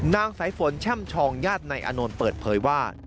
สายฝนแช่มชองญาตินายอานนท์เปิดเผยว่า